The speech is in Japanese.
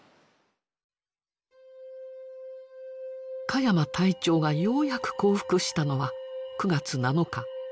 鹿山隊長がようやく降伏したのは９月７日。